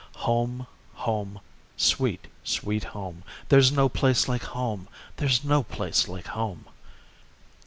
Home, Home, sweet, sweet Home! There's no place like Home! there's no place like Home!